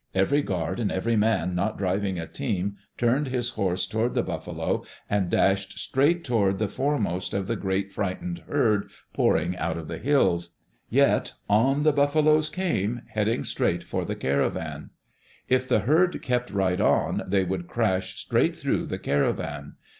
Every guard and every man not driving a team turned his horse toward the buffalo and dashed straight toward the fore most of the great frightened herd pouring out of the hills. Yet on the buffaloes came, headed straight for the caravan. If the herd kept right on, they would crash straight through the caravan.